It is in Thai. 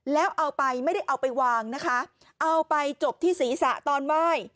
แล้วเอาไปไม่ได้เอาไปวางนะคะเอาไปจบที่ศีรษะตอนไหว้